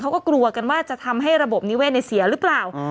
เขาก็กลัวกันว่าจะทำให้ระบบนิเวศเสียหรือเปล่า